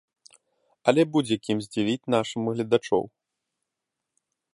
Але будзе кім здзівіць нашым гледачоў!